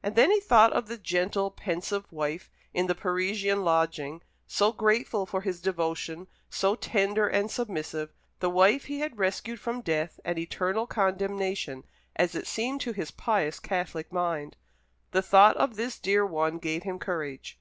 And then he thought of the gentle pensive wife in the Parisian lodging, so grateful for his devotion, so tender and submissive, the wife he had rescued from death and eternal condemnation, as it seemed to his pious Catholic mind. The thought of this dear one gave him courage.